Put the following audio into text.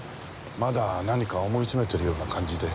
まだ何か思い詰めてるような感じで。